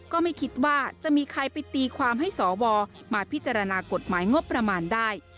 ก็ไม่คิดว่าจะมีใครไปตีความให้สวมาพิจารณากฎหมายงบประมาณได้